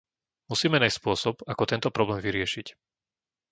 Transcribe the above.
Musíme nájsť spôsob, ako tento problém vyriešiť.